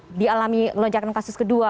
yang dialami lonjakan kasus kedua